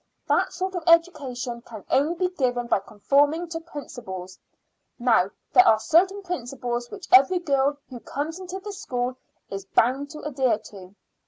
That sort of education can only be given by conforming to principles. Now, there are certain principles which every girl who comes into this school is bound to adhere to.